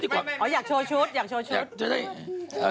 จากธนาคารกรุงเทพฯ